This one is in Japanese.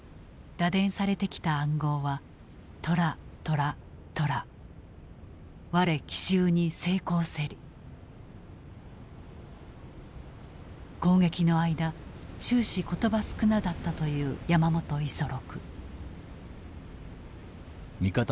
打電されてきた暗号は攻撃の間終始言葉少なだったという山本五十六。